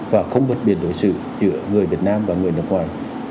và không bất biệt đối xử giữa người việt nam và người nước ngoài